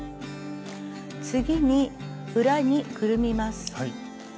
次に裏にくるみます。